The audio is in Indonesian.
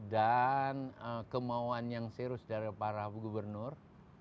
dan kemauan yang serius dari para gubernur